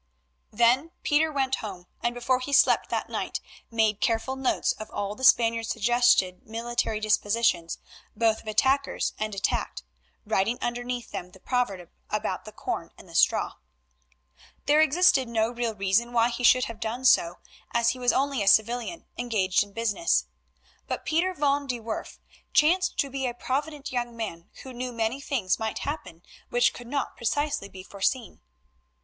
Then Pieter went home, and before he slept that night made careful notes of all the Spaniard's suggested military dispositions, both of attackers and attacked, writing underneath them the proverb about the corn and the straw. There existed no real reason why he should have done so, as he was only a civilian engaged in business, but Pieter van de Werff chanced to be a provident young man who knew many things might happen which could not precisely be foreseen.